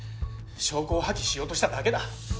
証拠を破棄しようとしただけだ。